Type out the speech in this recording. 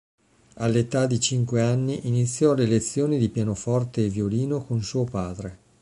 All’età di cinque anni iniziò le lezioni di pianoforte e violino con suo padre.